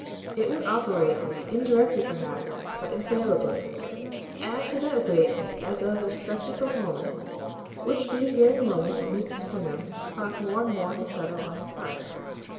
It would operate, indirectly perhaps, but infallibly, to add to that weight as of expected performance which these very moments with Mrs. Stringham caused more and more to settle on his heart.